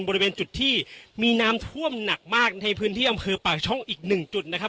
บริเวณจุดที่มีน้ำท่วมหนักมากในพื้นที่อำเภอปากช่องอีกหนึ่งจุดนะครับ